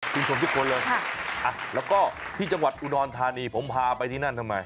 คุณผู้ชมทุกคนเลยแล้วก็ที่จังหวัดอุดรธานีผมพาไปที่นั่นทำไม